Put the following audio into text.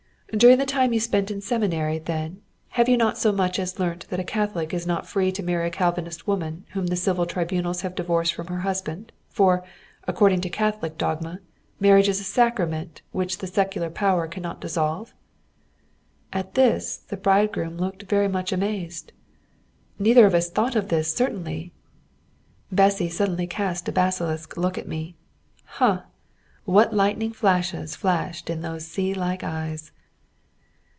"During the time you spent in the Seminary, then, have you not so much as learnt that a Catholic is not free to marry a Calvinist woman whom the civil tribunals have divorced from her husband; for, according to Catholic dogma, marriage is a sacrament which the secular power cannot dissolve?" At this the bridegroom looked very much amazed. "Neither of us thought of this certainly." Bessy suddenly cast a basilisk look at me. Huh! what lightnings flashed in those sea like eyes!